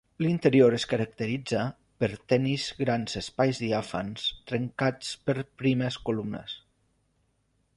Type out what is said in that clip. L'interior es caracteritza per tenis grans espais diàfans trencats per primes columnes.